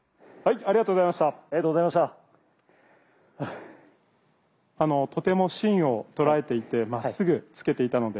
ありがとうございます。